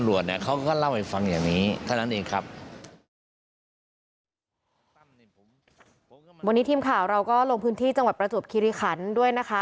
วันนี้ทีมข่าวเราก็ลงพื้นที่จังหวัดประจวบคิริขันด้วยนะคะ